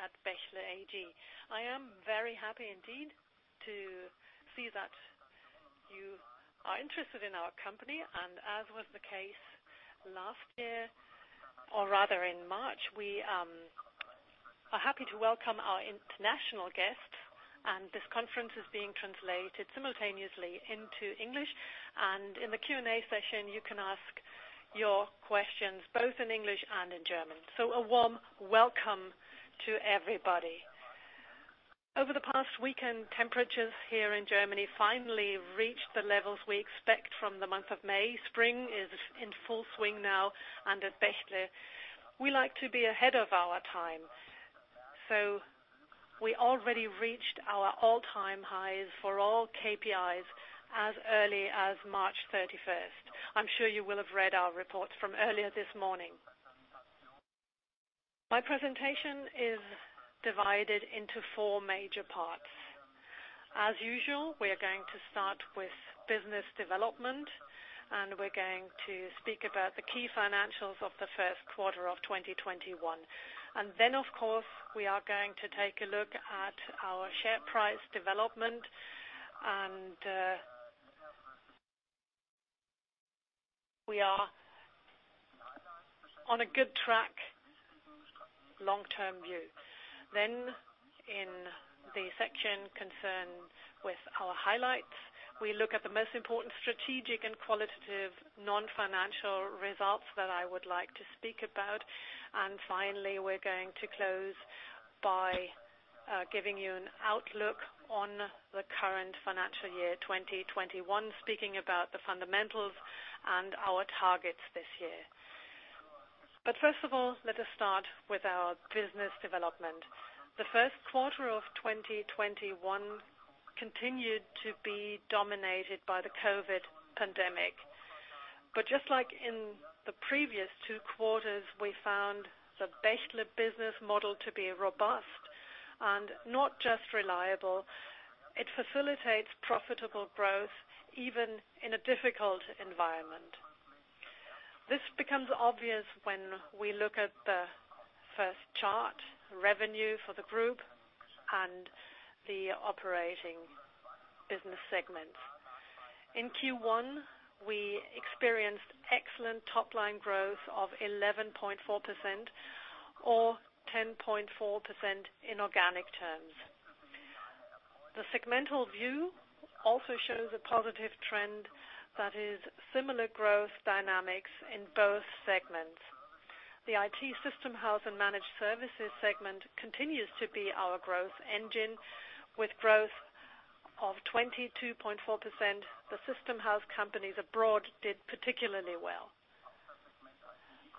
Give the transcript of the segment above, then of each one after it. Here at Bechtle AG. I am very happy indeed to see that you are interested in our company, and as was the case last year, or rather in March, we are happy to welcome our international guests. This conference is being translated simultaneously into English, and in the Q&A session you can ask your questions both in English and in German. A warm welcome to everybody. Over the past weekend, temperatures here in Germany finally reached the levels we expect from the month of May. Spring is in full swing now, and at Bechtle, we like to be ahead of our time. We already reached our all-time highs for all KPIs as early as March 31st. I'm sure you will have read our reports from earlier this morning. My presentation is divided into four major parts. As usual, we are going to start with business development, and we're going to speak about the key financials of the first quarter of 2021. Then, of course, we are going to take a look at our share price development and we are on a good track long-term view. Then in the section concerned with our highlights, we look at the most important strategic and qualitative non-financial results that I would like to speak about. Finally, we're going to close by giving you an outlook on the current financial year 2021, speaking about the fundamentals and our targets this year. First of all, let us start with our business development. The first quarter of 2021 continued to be dominated by the COVID pandemic. Just like in the previous two quarters, we found the Bechtle business model to be robust and not just reliable, it facilitates profitable growth even in a difficult environment. This becomes obvious when we look at the first chart, revenue for the group and the operating business segment. In Q1, we experienced excellent top-line growth of 11.4%, or 10.4% in organic terms. The segmental view also shows a positive trend that is similar growth dynamics in both segments. The IT System House and Managed Services segment continues to be our growth engine, with growth of 22.4%. The system house companies abroad did particularly well.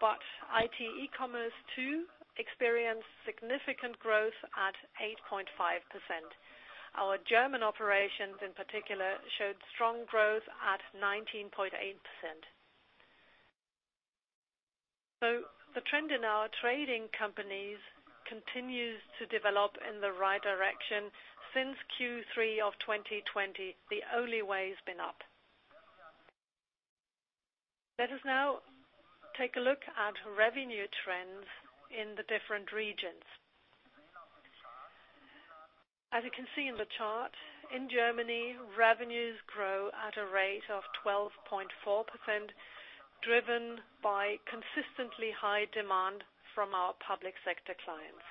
IT E-Commerce too experienced significant growth at 8.5%. Our German operations in particular showed strong growth at 19.8%. The trend in our trading companies continues to develop in the right direction since Q3 of 2020. The only way has been up. Let us now take a look at revenue trends in the different regions. As you can see in the chart, in Germany, revenues grow at a rate of 12.4%, driven by consistently high demand from our public sector clients.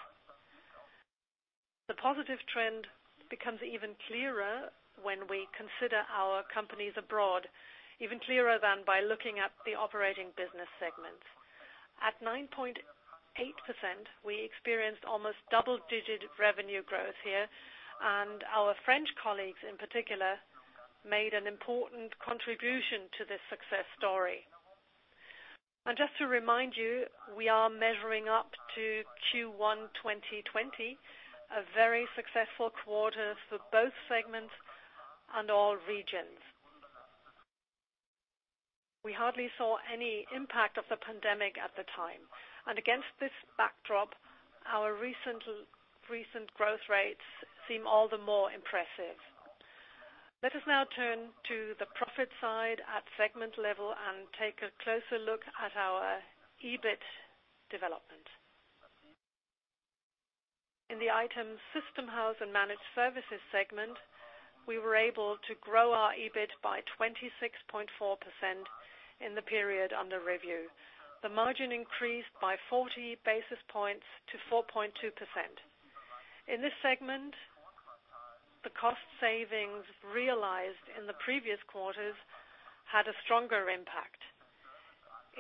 The positive trend becomes even clearer when we consider our companies abroad, even clearer than by looking at the operating business segments. At 9.8%, we experienced almost double-digit revenue growth here, and our French colleagues in particular, made an important contribution to this success story. Just to remind you, we are measuring up to Q1 2020, a very successful quarter for both segments and all regions. We hardly saw any impact of the pandemic at the time. Against this backdrop, our recent growth rates seem all the more impressive. Let us now turn to the profit side at segment level and take a closer look at our EBIT development. In the IT System House and Managed Services segment, we were able to grow our EBIT by 26.4% in the period under review. The margin increased by 40 basis points to 4.2%. In this segment, the cost savings realized in the previous quarters had a stronger impact.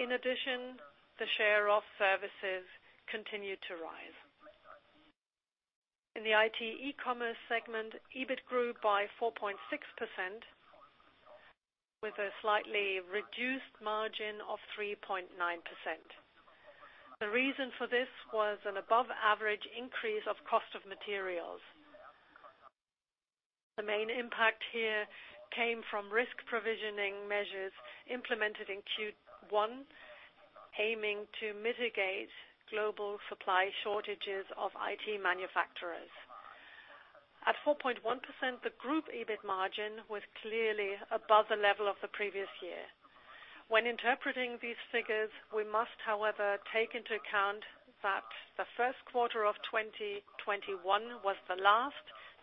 In addition, the share of services continued to rise. In the IT E-Commerce segment, EBIT grew by 4.6% with a slightly reduced margin of 3.9%. The reason for this was an above-average increase of cost of materials. The main impact here came from risk provisioning measures implemented in Q1, aiming to mitigate global supply shortages of IT manufacturers. At 4.1%, the group EBIT margin was clearly above the level of the previous year. When interpreting these figures, we must, however, take into account that the first quarter of 2021 was the last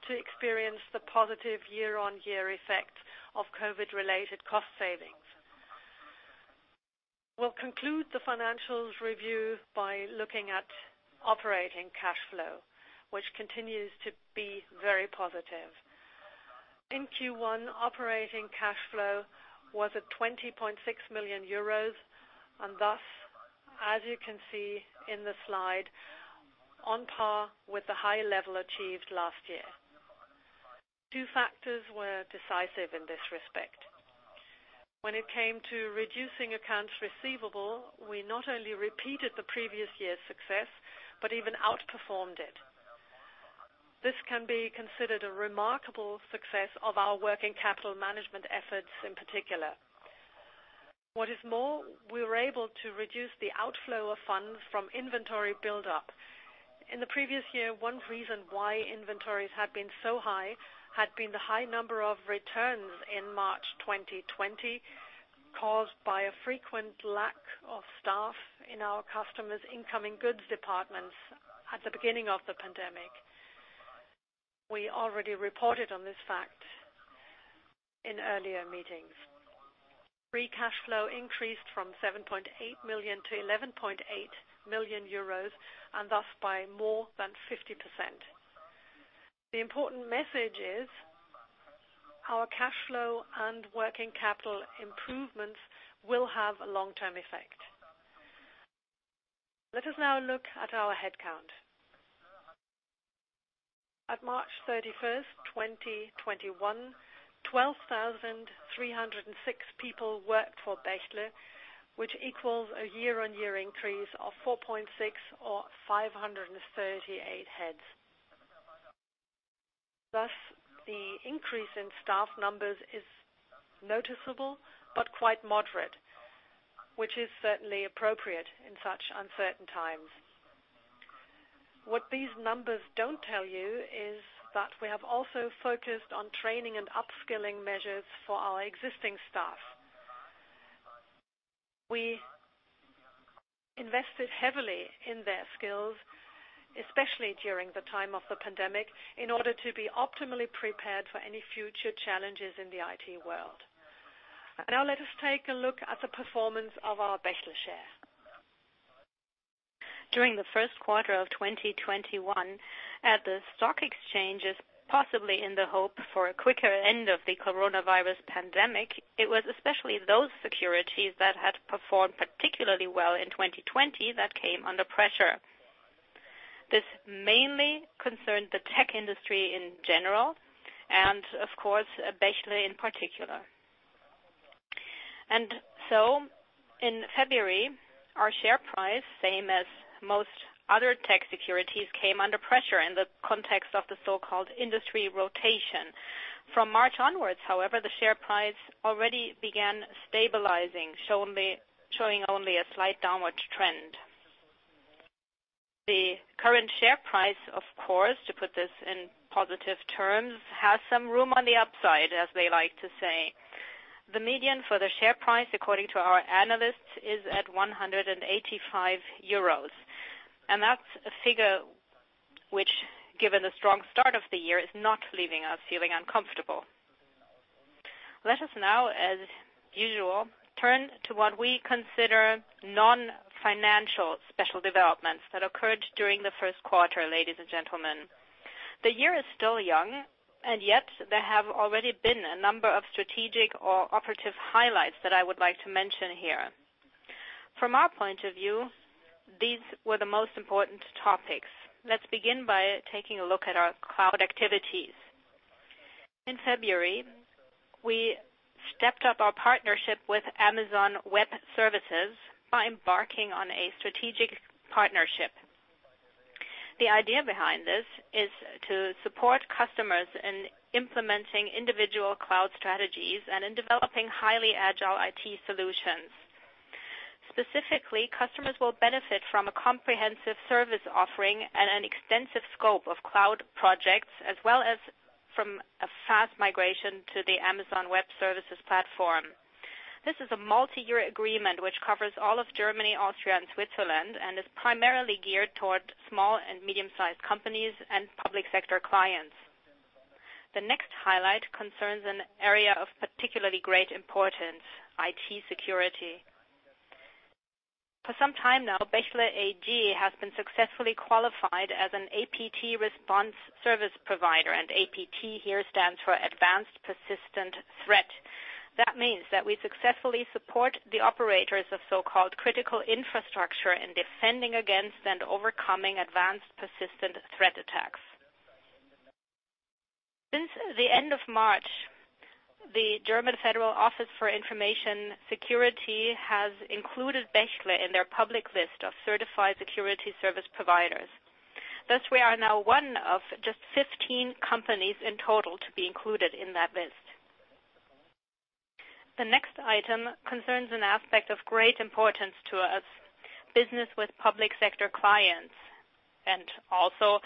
to experience the positive year-on-year effect of COVID-related cost savings. We'll conclude the financials review by looking at operating cash flow, which continues to be very positive. In Q1, operating cash flow was at 20.6 million euros and thus, as you can see in the slide, on par with the high level achieved last year. Two factors were decisive in this respect. When it came to reducing accounts receivable, we not only repeated the previous year's success, but even outperformed it. This can be considered a remarkable success of our working capital management efforts in particular. What is more, we were able to reduce the outflow of funds from inventory buildup. In the previous year, one reason why inventories had been so high had been the high number of returns in March 2020, caused by a frequent lack of staff in our customers' incoming goods departments at the beginning of the pandemic. We already reported on this fact in earlier meetings. Free cash flow increased from 7.8 million-11.8 million euros, thus by more than 50%. The important message is our cash flow and working capital improvements will have a long-term effect. Let us now look at our headcount. At March 31st, 2021, 12,306 people worked for Bechtle, which equals a year-on-year increase of 4.6% or 538 heads. The increase in staff numbers is noticeable but quite moderate, which is certainly appropriate in such uncertain times. What these numbers don't tell you is that we have also focused on training and upskilling measures for our existing staff. We invested heavily in their skills, especially during the time of the pandemic, in order to be optimally prepared for any future challenges in the IT world. Let us take a look at the performance of our Bechtle share. During the first quarter of 2021, at the stock exchanges, possibly in the hope for a quicker end of the coronavirus pandemic, it was especially those securities that had performed particularly well in 2020 that came under pressure. This mainly concerned the tech industry in general, and of course, Bechtle in particular. In February, our share price, same as most other tech securities, came under pressure in the context of the so-called industry rotation. From March onwards, however, the share price already began stabilizing, showing only a slight downward trend. The current share price, of course, to put this in positive terms, has some room on the upside, as they like to say. The median for the share price, according to our analysts, is at 185 euros. That's a figure which, given the strong start of the year, is not leaving us feeling uncomfortable. Let us now, as usual, turn to what we consider non-financial special developments that occurred during the first quarter, ladies and gentlemen. The year is still young, yet there have already been a number of strategic or operative highlights that I would like to mention here. From our point of view, these were the most important topics. Let's begin by taking a look at our cloud activities. In February, we stepped up our partnership with Amazon Web Services by embarking on a strategic partnership. The idea behind this is to support customers in implementing individual cloud strategies and in developing highly agile IT solutions. Specifically, customers will benefit from a comprehensive service offering and an extensive scope of cloud projects, as well as from a fast migration to the Amazon Web Services platform. This is a multi-year agreement which covers all of Germany, Austria, and Switzerland, and is primarily geared towards small and medium-sized companies and public sector clients. The next highlight concerns an area of particularly great importance, IT security. For some time now, Bechtle AG has been successfully qualified as an APT response service provider. APT here stands for advanced persistent threat. That means that we successfully support the operators of so-called critical infrastructure in defending against and overcoming advanced persistent threat attacks. Since the end of March, the German Federal Office for Information Security has included Bechtle in their public list of certified security service providers. Thus, we are now one of just 15 companies in total to be included in that list. The next item concerns an aspect of great importance to us, business with public sector clients, and also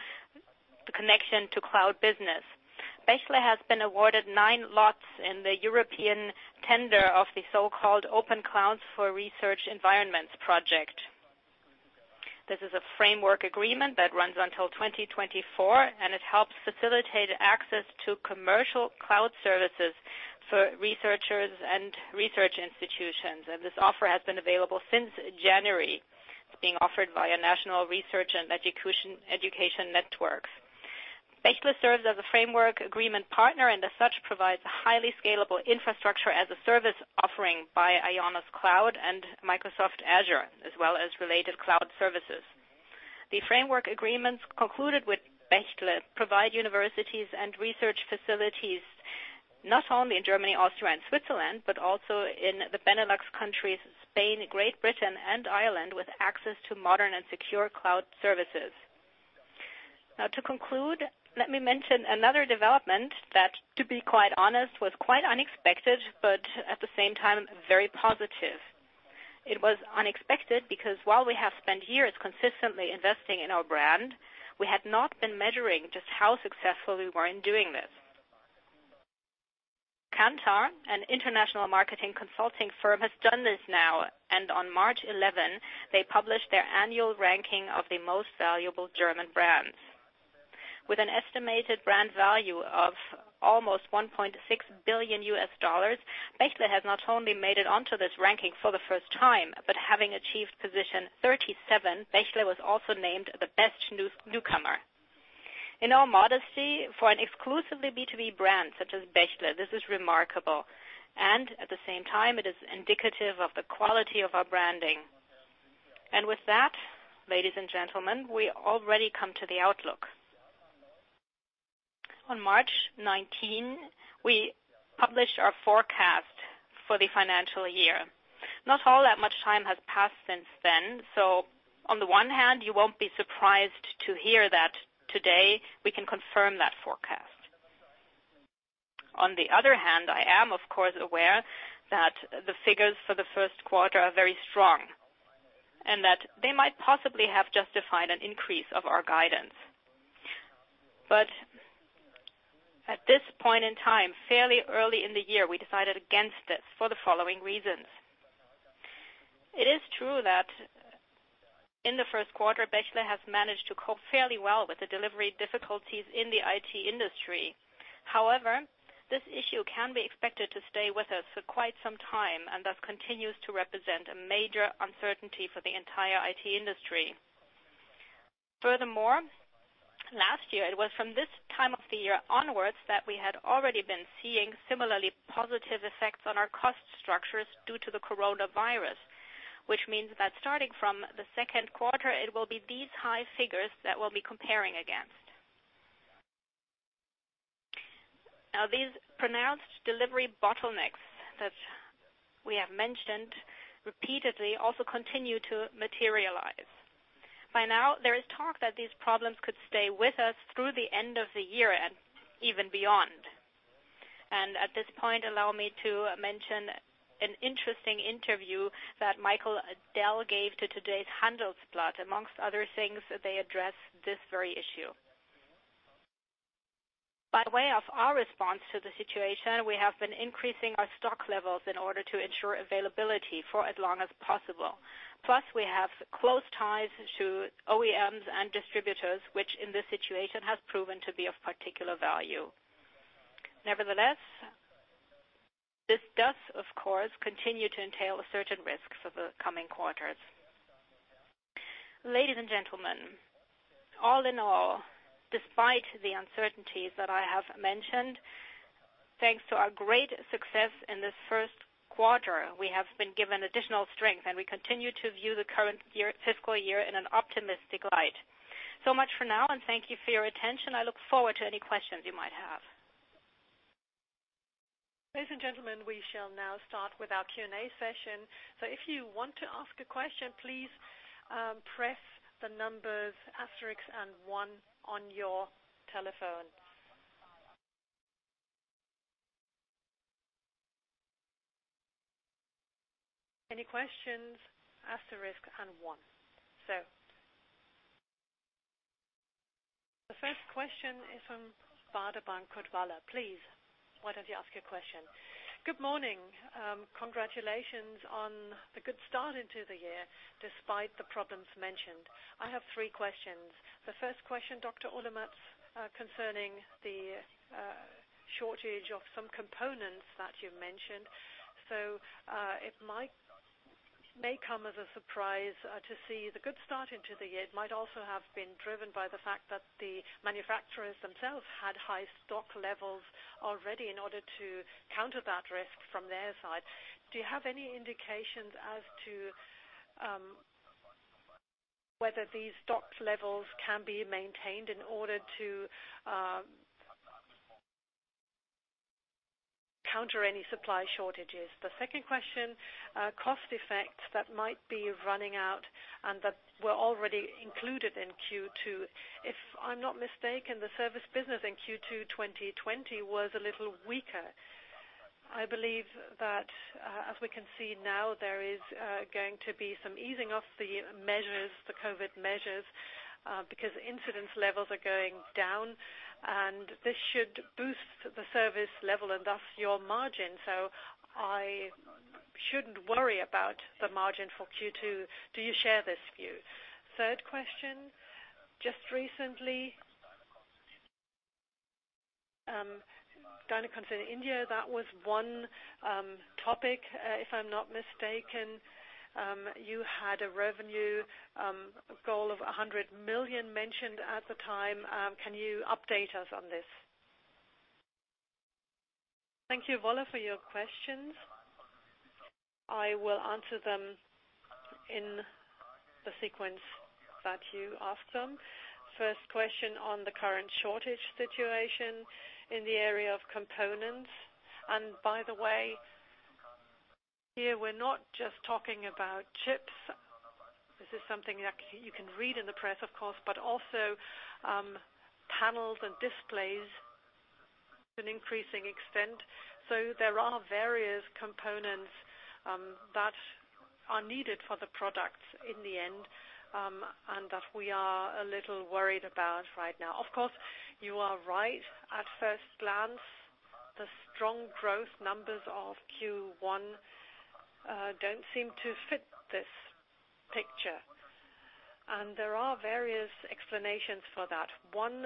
the connection to cloud business. Bechtle has been awarded nine lots in the European tender of the so-called Open Clouds for Research Environments project. This is a framework agreement that runs until 2024, it helps facilitate access to commercial cloud services for researchers and research institutions. This offer has been available since January. It's being offered by a national research and education network. Bechtle serves as a framework agreement partner, and as such, provides a highly scalable infrastructure as a service offering by IONOS Cloud and Microsoft Azure, as well as related cloud services. The framework agreements concluded with Bechtle provide universities and research facilities not only in Germany, Austria, and Switzerland, but also in the Benelux countries, Spain, Great Britain, and Ireland, with access to modern and secure cloud services. Now, to conclude, let me mention another development that, to be quite honest, was quite unexpected, but at the same time, very positive. It was unexpected because while we have spent years consistently investing in our brand, we had not been measuring just how successful we were in doing this. Kantar, an international marketing consulting firm, has done this now, and on March 11, they published their annual ranking of the most valuable German brands. With an estimated brand value of almost $1.6 billion, Bechtle has not only made it onto this ranking for the first time, but having achieved position 37, Bechtle was also named the best newcomer. In all modesty, for an exclusively B2B brand such as Bechtle, this is remarkable, and at the same time, it is indicative of the quality of our branding. With that, ladies and gentlemen, we already come to the outlook. On March 19, we published our forecast for the financial year. Not all that much time has passed since then, so on the one hand, you won't be surprised to hear that today we can confirm that forecast. On the other hand, I am, of course, aware that the figures for the first quarter are very strong and that they might possibly have justified an increase of our guidance. At this point in time, fairly early in the year, we decided against this for the following reasons. It is true that in the first quarter, Bechtle has managed to cope fairly well with the delivery difficulties in the IT industry. This issue can be expected to stay with us for quite some time and thus continues to represent a major uncertainty for the entire IT industry. Last year it was from this time of the year onwards that we had already been seeing similarly positive effects on our cost structures due to the coronavirus, which means that starting from the second quarter, it will be these high figures that we'll be comparing against. These pronounced delivery bottlenecks that we have mentioned repeatedly also continue to materialize. By now, there is talk that these problems could stay with us through the end of the year and even beyond. At this point, allow me to mention an interesting interview that Michael Dell gave to today's "Handelsblatt." Amongst other things, they address this very issue. By way of our response to the situation, we have been increasing our stock levels in order to ensure availability for as long as possible. We have close ties to OEMs and distributors, which in this situation has proven to be of particular value. Nevertheless, this does, of course, continue to entail certain risks for the coming quarters. Ladies and gentlemen, all in all, despite the uncertainties that I have mentioned, thanks to our great success in this first quarter, we have been given additional strength, and we continue to view the current fiscal year in an optimistic light. Much for now, and thank you for your attention. I look forward to any questions you might have. Ladies and gentlemen, we shall now start with our Q&A session. If you want to ask a question, please press the numbers asterisk and one on your telephone. Any questions, asterisk and one. The first question is from Baader Bank, Knut Woller. Please, why don't you ask your question? Good morning. Congratulations on the good start into the year, despite the problems mentioned. I have three questions. The first question, Dr. Olemotz, concerning the shortage of some components that you mentioned. It may come as a surprise to see the good start into the year. It might also have been driven by the fact that the manufacturers themselves had high stock levels already in order to counter that risk from their side. Do you have any indications as to whether these stock levels can be maintained in order to counter any supply shortages? The second question, cost effects that might be running out and that were already included in Q2. If I'm not mistaken, the service business in Q2 2020 was a little weaker. I believe that, as we can see now, there is going to be some easing of the COVID measures, because incidence levels are going down, and this should boost the service level and thus your margin. I shouldn't worry about the margin for Q2. Do you share this view? Third question, just recently, Dynacons in India, that was one topic, if I'm not mistaken. You had a revenue goal of 100 million mentioned at the time. Can you update us on this? Thank you, Woller, for your questions. I will answer them in the sequence that you asked them. First question on the current shortage situation in the area of components. By the way, here we're not just talking about chips. This is something that you can read in the press, of course, but also, panels and displays to an increasing extent. There are various components that are needed for the products in the end, and that we are a little worried about right now. Of course, you are right at first glance, the strong growth numbers of Q1 don't seem to fit this picture. There are various explanations for that. One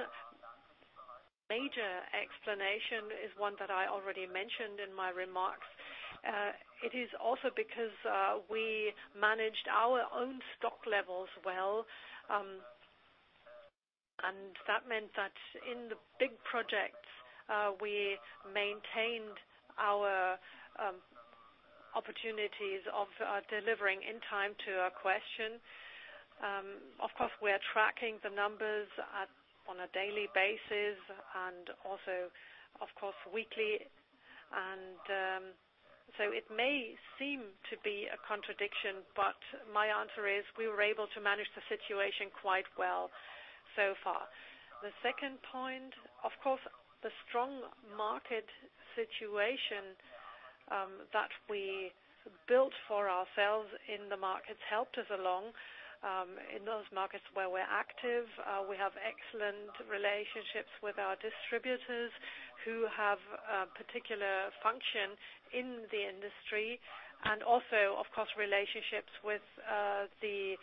major explanation is one that I already mentioned in my remarks. It is also because we managed our own stock levels well, and that meant that in the big projects, we maintained our opportunities of delivering in time to a question. Of course, we are tracking the numbers on a daily basis and also, of course, weekly. It may seem to be a contradiction, but my answer is we were able to manage the situation quite well so far. The second point, of course, the strong market situation that we built for ourselves in the markets helped us along, in those markets where we're active. We have excellent relationships with our distributors who have a particular function in the industry, and also, of course, relationships with the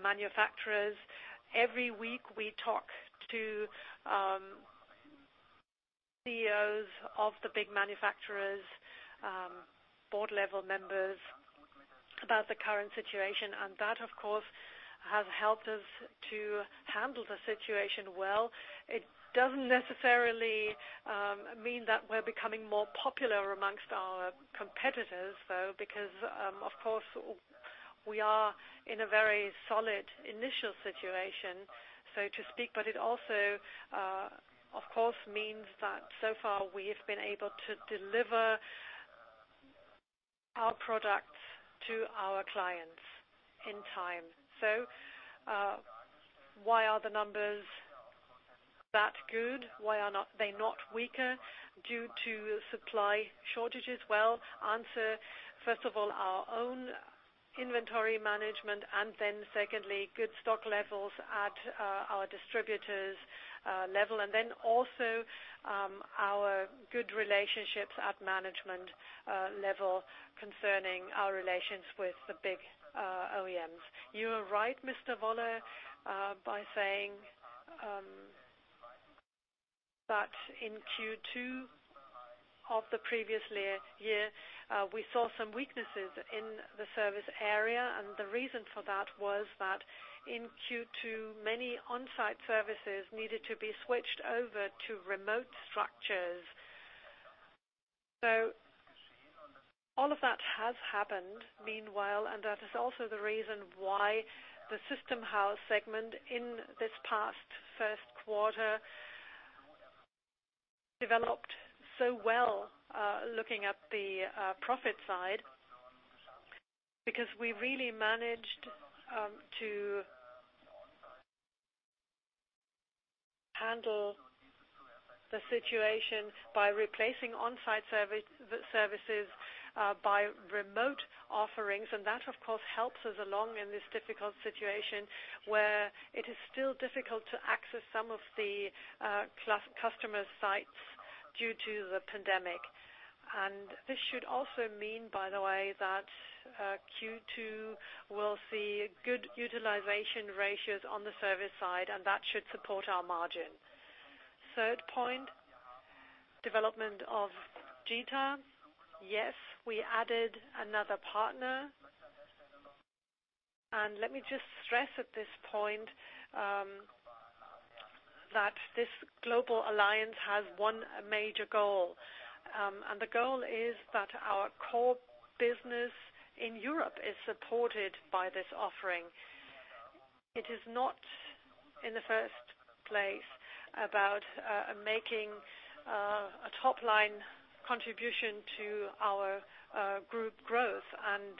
manufacturers. Every week we talk to CEOs of the big manufacturers, board-level members, about the current situation, and that, of course, has helped us to handle the situation well. It doesn't necessarily mean that we're becoming more popular amongst our competitors, though, because, of course, we are in a very solid initial situation, so to speak. It also, of course, means that so far we have been able to deliver our products to our clients in time. Why are the numbers that good? Why are they not weaker due to supply shortages? Well, answer, first of all, our own inventory management, secondly, good stock levels at our distributors' level. Also, our good relationships at management level concerning our relations with the big OEMs. You are right, Mr. Woller, by saying that in Q2 of the previous year, we saw some weaknesses in the service area, and the reason for that was that in Q2, many on-site services needed to be switched over to remote structures. All of that has happened meanwhile, and that is also the reason why the System House segment in this past first quarter developed so well, looking at the profit side, because we really managed to handle the situation by replacing on-site services by remote offerings. That, of course, helps us along in this difficult situation, where it is still difficult to access some of the customer sites due to the pandemic. This should also mean, by the way, that Q2 will see good utilization ratios on the service side, and that should support our margin. Third point, development of GITA. Yes, we added another partner. Let me just stress at this point, that this global alliance has one major goal. The goal is that our core business in Europe is supported by this offering. It is not in the first place about making a top-line contribution to our group growth, and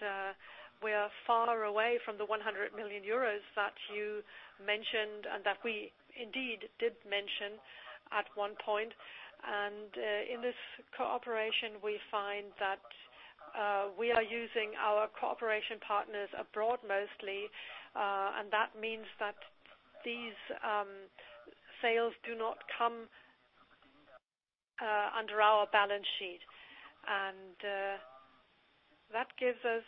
we are far away from the 100 million euros that you mentioned and that we indeed did mention at one point. In this cooperation, we find that we are using our cooperation partners abroad mostly, and that means that these sales do not come under our balance sheet. That gives us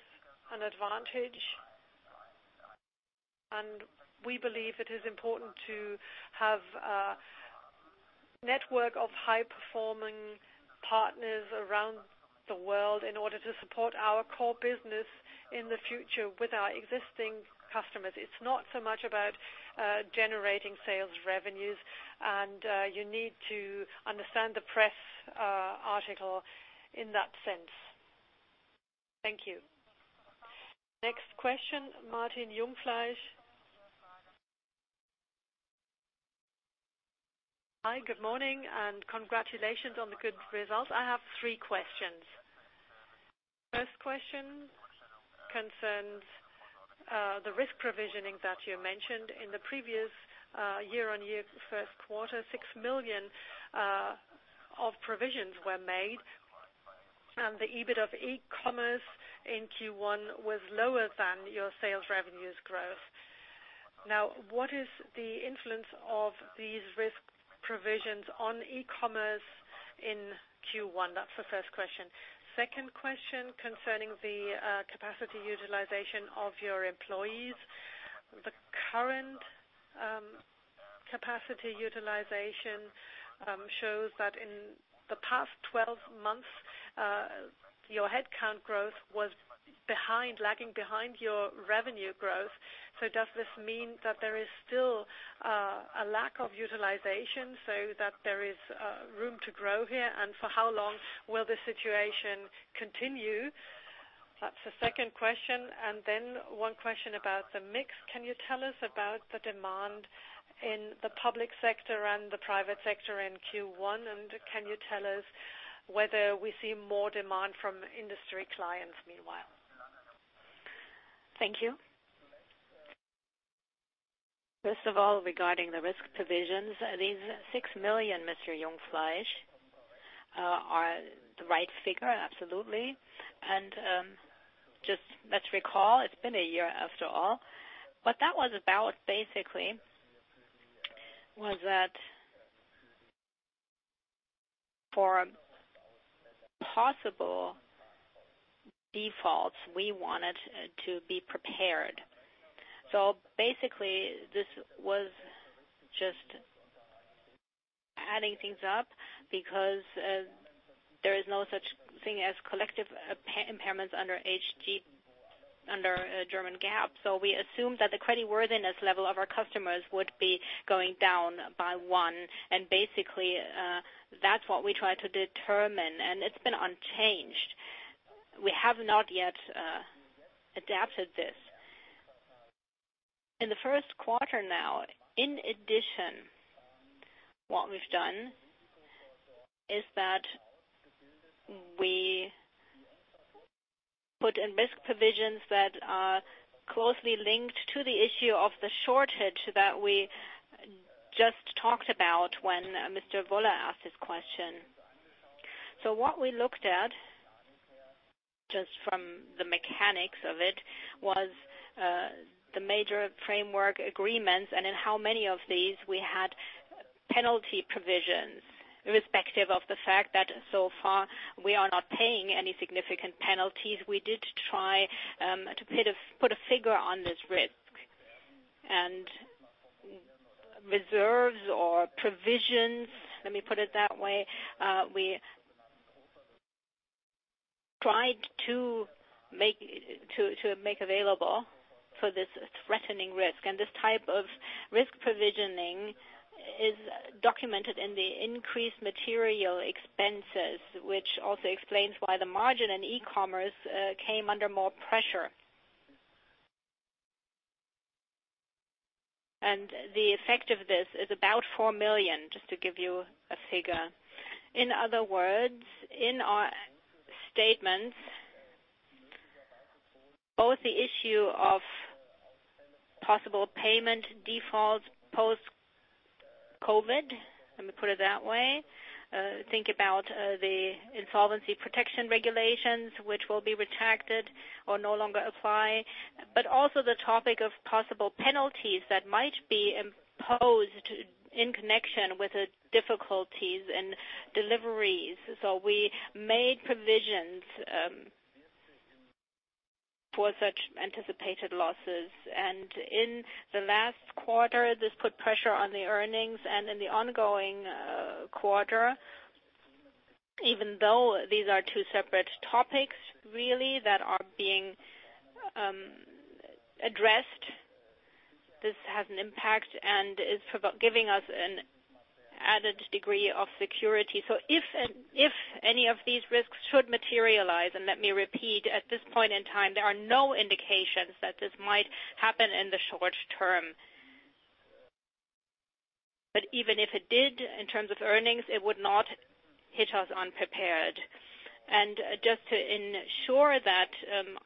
an advantage, and we believe it is important to have a network of high-performing partners around the world in order to support our core business in the future with our existing customers. It's not so much about generating sales revenues, you need to understand the press article in that sense. Thank you. Next question, Martin Jungfleisch. Hi, good morning and congratulations on the good results. I have three questions. First question concerns the risk provisioning that you mentioned. In the previous year-over-year first quarter, 6 million of provisions were made and the EBIT of E-Commerce in Q1 was lower than your sales revenues growth. What is the influence of these risk provisions on E-Commerce in Q1? That's the first question. Second question concerning the capacity utilization of your employees. The current capacity utilization shows that in the past 12 months, your headcount growth was lagging behind your revenue growth. Does this mean that there is still a lack of utilization so that there is room to grow here? For how long will the situation continue? That's the second question. One question about the mix. Can you tell us about the demand in the public sector and the private sector in Q1? Can you tell us whether we see more demand from industry clients meanwhile? Thank you. First of all, regarding the risk provisions, these 6 million, Mr. Jungfleisch, are the right figure, absolutely. Just let's recall, it's been a year after all. What that was about, basically, was that for possible defaults, we wanted to be prepared. Basically, this was just adding things up because there is no such thing as collective impairments under German GAAP. We assumed that the creditworthiness level of our customers would be going down by one, and basically, that's what we try to determine, and it's been unchanged. We have not yet adapted this. In the first quarter now, in addition, what we've done is that we put in risk provisions that are closely linked to the issue of the shortage that we just talked about when Mr. Woller asked his question. What we looked at, just from the mechanics of it, was the major framework agreements and in how many of these we had penalty provisions, irrespective of the fact that so far we are not paying any significant penalties. We did try to put a figure on this risk. Reserves or provisions, let me put it that way, we tried to make available for this threatening risk. This type of risk provisioning is documented in the increased material expenses, which also explains why the margin in E-Commerce came under more pressure. The effect of this is about 4 million, just to give you a figure. In other words, in our statements, both the issue of possible payment defaults post-COVID, let me put it that way. Think about the insolvency protection regulations, which will be retracted or no longer apply, but also the topic of possible penalties that might be imposed in connection with difficulties in deliveries. We made provisions for such anticipated losses. In the last quarter, this put pressure on the earnings, and in the ongoing quarter, even though these are two separate topics really that are being addressed, this has an impact and is giving us an added degree of security. If any of these risks should materialize, and let me repeat, at this point in time, there are no indications that this might happen in the short term. Even if it did, in terms of earnings, it would not hit us unprepared. Just to ensure that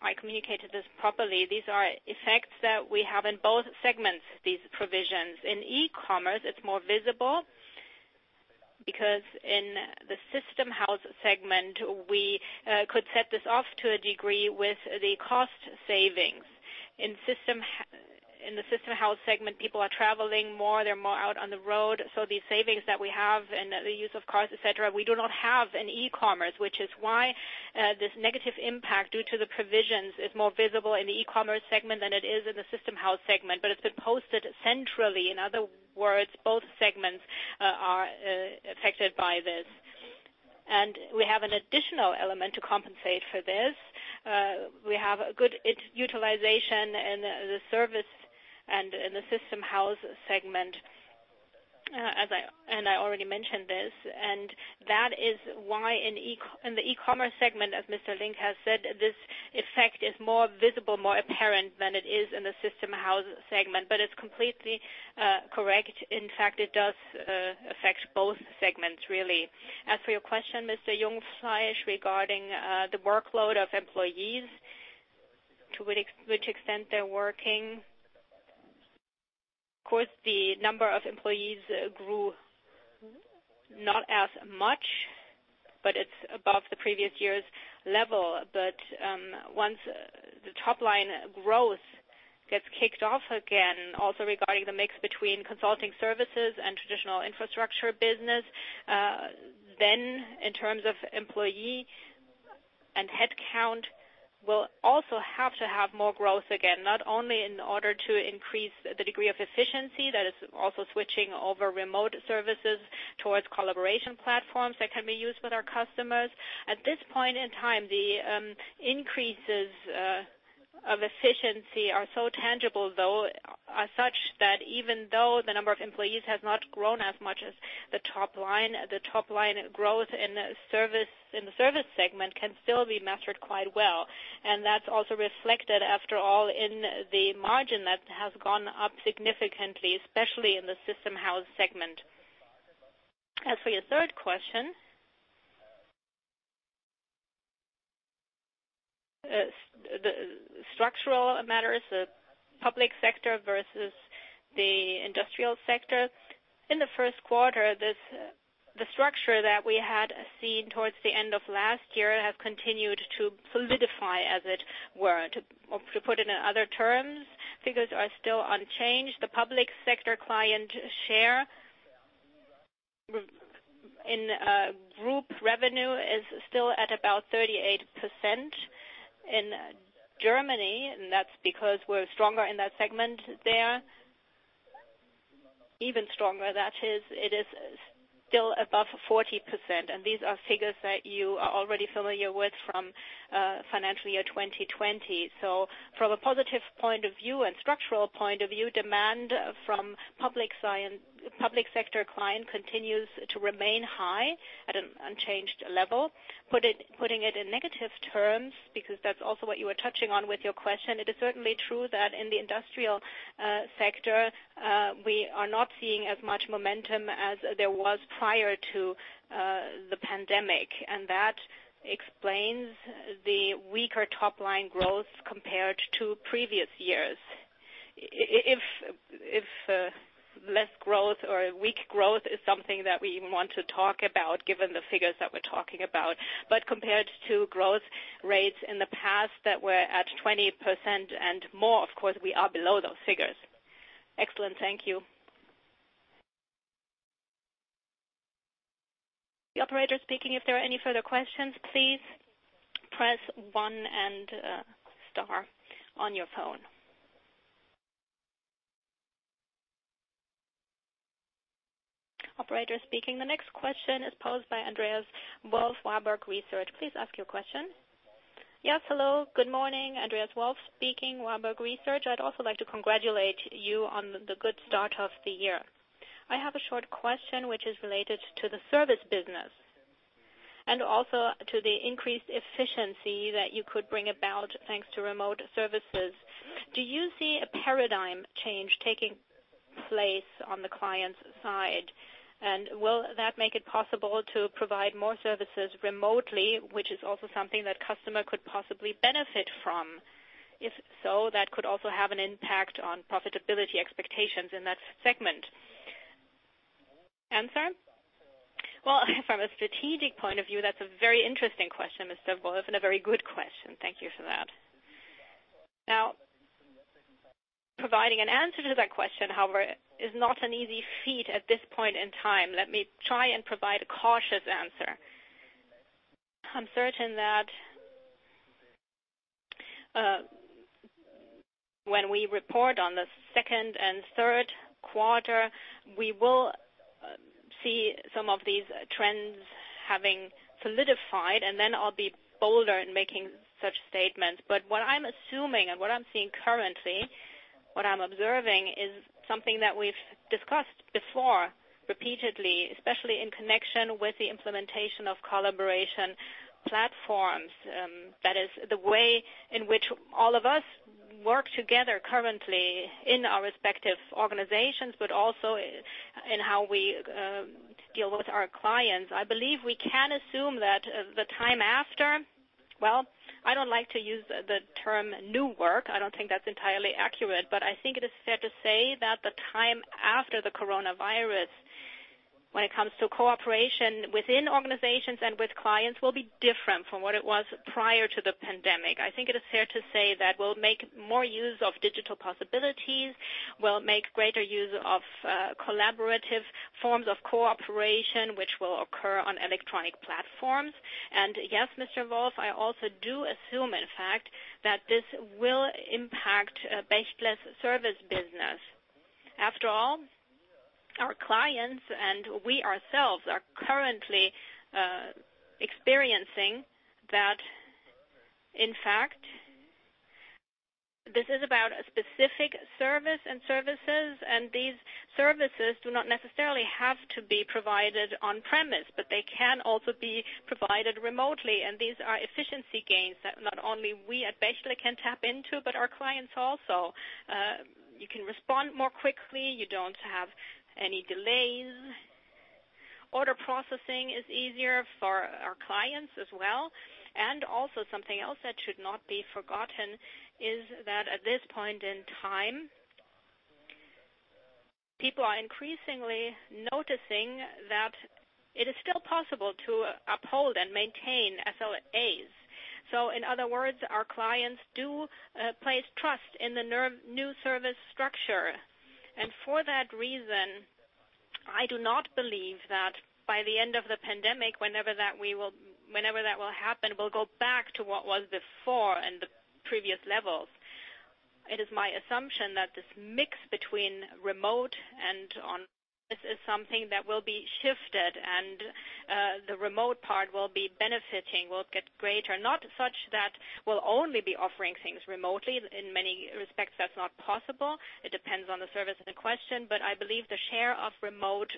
I communicated this properly, these are effects that we have in both segments, these provisions. In E-Commerce, it's more visible, because in the System House segment, we could set this off to a degree with the cost savings. In the System House segment, people are traveling more, they're more out on the road. These savings that we have and the use of cars, etc., we do not have in E-Commerce, which is why this negative impact due to the provisions is more visible in the E-Commerce segment than it is in the System House segment. It's been posted centrally. In other words, both segments are affected by this. We have an additional element to compensate for this. We have a good utilization in the service and in the System House segment, and I already mentioned this, and that is why in the E-Commerce segment, as Mr. Link has said, this effect is more visible, more apparent than it is in the System House segment. It's completely correct. In fact, it does affect both segments really. As for your question, Mr. Jungfleisch, regarding the workload of employees, to which extent they're working. Of course, the number of employees grew not as much, but it's above the previous year's level. Once the top-line growth gets kicked off again, also regarding the mix between consulting services and traditional infrastructure business, in terms of employee and headcount, we'll also have to have more growth again, not only in order to increase the degree of efficiency that is also switching over remote services towards collaboration platforms that can be used with our customers. At this point in time, the increases of efficiency are so tangible, though, are such that even though the number of employees has not grown as much as the top line, the top-line growth in the service segment can still be mastered quite well. That's also reflected, after all, in the margin that has gone up significantly, especially in the System House segment. As for your third question. The structural matters, the public sector versus the industrial sector. In the first quarter, the structure that we had seen towards the end of last year has continued to solidify, as it were. To put it in other terms, figures are still unchanged. The public sector client share in group revenue is still at about 38% in Germany, and that's because we're stronger in that segment there. Even stronger, that is. It is still above 40%, and these are figures that you are already familiar with from financial year 2020. From a positive point of view and structural point of view, demand from public sector client continues to remain high at an unchanged level. Putting it in negative terms, because that's also what you were touching on with your question, it is certainly true that in the industrial sector, we are not seeing as much momentum as there was prior to the pandemic, and that explains the weaker top-line growth compared to previous years. If less growth or weak growth is something that we even want to talk about, given the figures that we're talking about. Compared to growth rates in the past that were at 20% and more, of course, we are below those figures. Excellent. Thank you. The operator speaking. If there are any further questions, please press one and star on your phone. Operator speaking. The next question is posed by Andreas Wolf, Warburg Research. Please ask your question. Hello. Good morning. Andreas Wolf speaking, Warburg Research. I'd also like to congratulate you on the good start of the year. I have a short question, which is related to the service business and also to the increased efficiency that you could bring about thanks to remote services. Do you see a paradigm change taking place on the client side? Will that make it possible to provide more services remotely, which is also something that customer could possibly benefit from? If so, that could also have an impact on profitability expectations in that segment. Answer? Well, from a strategic point of view, that's a very interesting question, Mr. Wolf, and a very good question. Thank you for that. Providing an answer to that question, however, is not an easy feat at this point in time. Let me try and provide a cautious answer. I'm certain that when we report on the second and third quarter, we will see some of these trends having solidified, and then I'll be bolder in making such statements. What I'm assuming and what I'm seeing currently, what I'm observing is something that we've discussed before repeatedly, especially in connection with the implementation of collaboration platforms. That is the way in which all of us work together currently in our respective organizations, but also in how we deal with our clients. I believe we can assume that the time after, well, I don't like to use the term new work. I don't think that's entirely accurate, but I think it is fair to say that the time after the coronavirus, when it comes to cooperation within organizations and with clients, will be different from what it was prior to the pandemic. I think it is fair to say that we'll make more use of digital possibilities, we'll make greater use of collaborative forms of cooperation, which will occur on electronic platforms. Yes, Mr. Wolf, I also do assume, in fact, that this will impact Bechtle's service business. After all, our clients and we ourselves are currently experiencing that, in fact, this is about a specific service and services, these services do not necessarily have to be provided on premise, but they can also be provided remotely. These are efficiency gains that not only we at Bechtle can tap into, but our clients also. You can respond more quickly. You don't have any delays. Order processing is easier for our clients as well. Also something else that should not be forgotten is that at this point in time, people are increasingly noticing that it is still possible to uphold and maintain SLAs. In other words, our clients do place trust in the new service structure. For that reason, I do not believe that by the end of the pandemic, whenever that will happen, we'll go back to what was before and the previous levels. It is my assumption that this mix between remote and on-premise is something that will be shifted and the remote part will be benefiting, will get greater, not such that we'll only be offering things remotely. In many respects, that's not possible. It depends on the service in question, but I believe the share of remote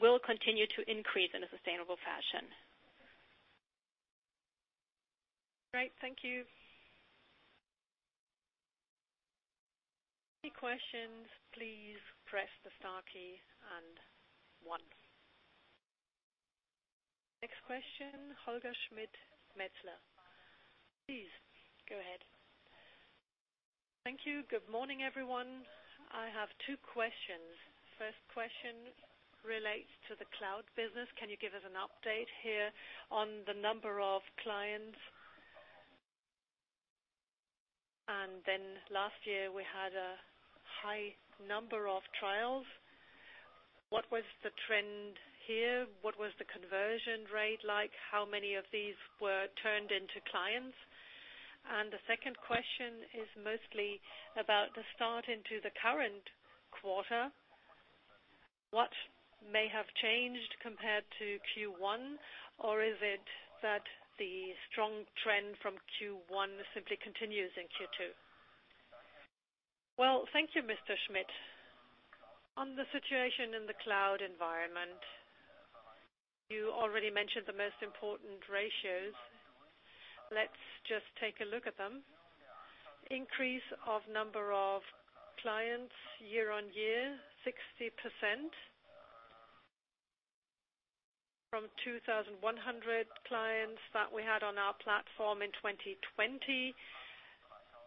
will continue to increase in a sustainable fashion. Great. Thank you. Any questions, please press the star key and one. Next question, Holger Schmidt, Metzler. Please, go ahead. Thank you. Good morning, everyone. I have two questions. First question relates to the cloud business. Can you give us an update here on the number of clients? Last year, we had a high number of trials. What was the trend here? What was the conversion rate like? How many of these were turned into clients? The second question is mostly about the start into the current quarter. What may have changed compared to Q1? Is it that the strong trend from Q1 simply continues in Q2? Well, thank you, Mr. Schmidt. On the situation in the cloud environment, you already mentioned the most important ratios. Let's just take a look at them. Increase of number of clients year-over-year, 60% from 2,100 clients that we had on our platform in 2020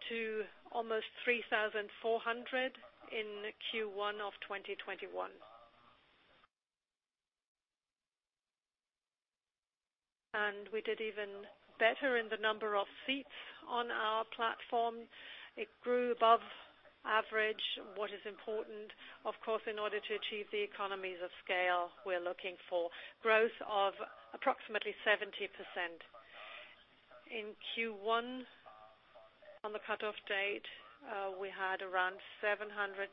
to almost 3,400 in Q1 of 2021. We did even better in the number of seats on our platform. It grew above average. What is important, of course, in order to achieve the economies of scale, we're looking for growth of approximately 70%. In Q1, on the cutoff date, we had around 712,000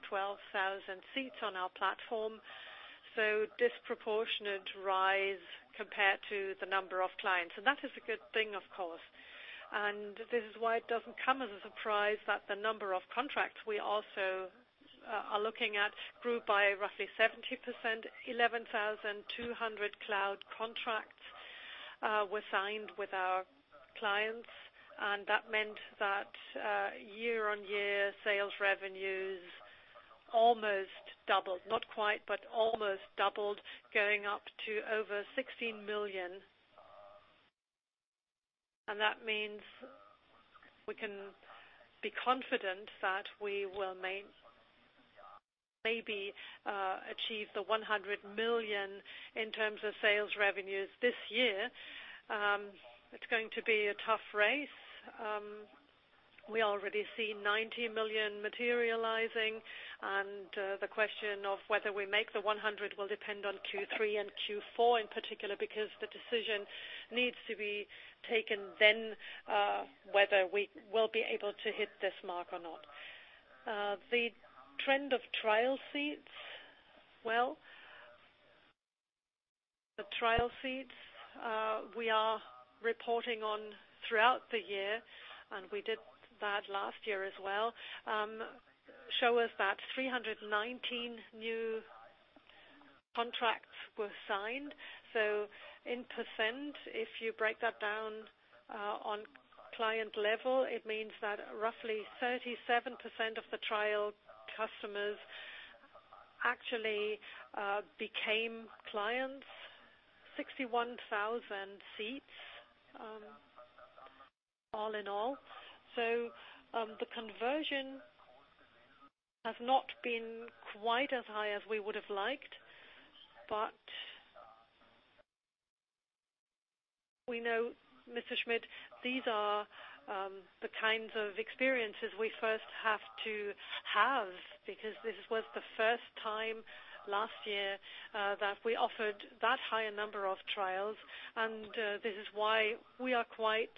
seats on our platform, so disproportionate rise compared to the number of clients. That is a good thing, of course. This is why it doesn't come as a surprise that the number of contracts we also are looking at grew by roughly 70%, 11,200 cloud contracts were signed with our clients. That meant that year-over-year, sales revenues almost doubled. Not quite, but almost doubled, going up to over 16 million. That means we can be confident that we will maybe achieve the 100 million in terms of sales revenues this year. It's going to be a tough race. We already see 90 million materializing. The question of whether we make the 100 will depend on Q3 and Q4, in particular, because the decision needs to be taken then, whether we will be able to hit this mark or not. The trend of trial seats, well, the trial seats we are reporting on throughout the year, and we did that last year as well, show us that 319 new contracts were signed. In percent, if you break that down on client level, it means that roughly 37% of the trial customers actually became clients, 61,000 seats all in all. The conversion has not been quite as high as we would have liked, but we know, Mr. Schmidt, these are the kinds of experiences we first have to have because this was the first time last year that we offered that high a number of trials, and this is why we are quite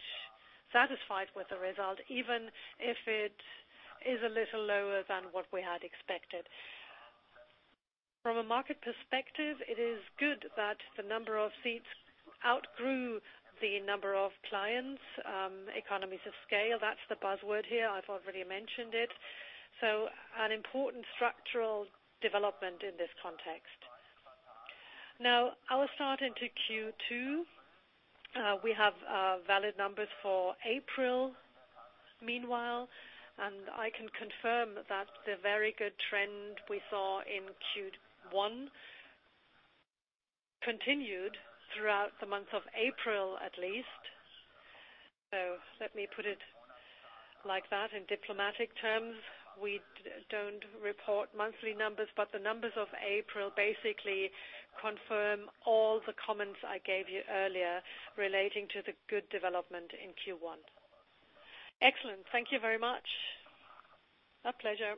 satisfied with the result, even if it is a little lower than what we had expected. From a market perspective, it is good that the number of seats outgrew the number of clients. Economies of scale, that's the buzzword here. I've already mentioned it. An important structural development in this context. Now, our start into Q2. We have valid numbers for April, meanwhile, I can confirm that the very good trend we saw in Q1 continued throughout the month of April, at least. Let me put it like that in diplomatic terms. We don't report monthly numbers, the numbers of April basically confirm all the comments I gave you earlier relating to the good development in Q1. Excellent. Thank you very much. My pleasure.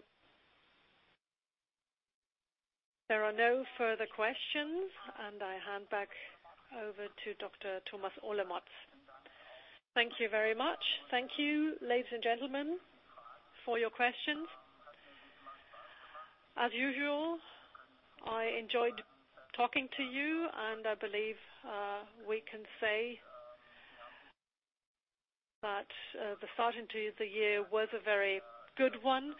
There are no further questions, I hand back over to Dr. Thomas Olemotz. Thank you very much. Thank you, ladies and gentlemen, for your questions. As usual, I enjoyed talking to you. I believe we can say that the start into the year was a very good one.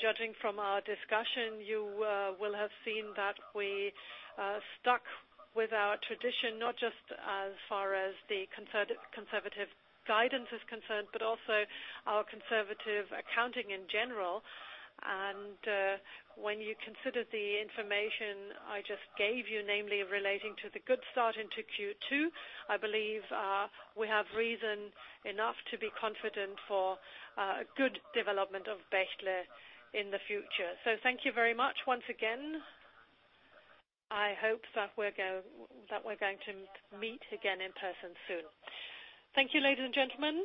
Judging from our discussion, you will have seen that we stuck with our tradition, not just as far as the conservative guidance is concerned, but also our conservative accounting in general. When you consider the information I just gave you, namely relating to the good start into Q2, I believe we have reason enough to be confident for good development of Bechtle in the future. Thank you very much once again. I hope that we're going to meet again in person soon. Thank you, ladies and gentlemen.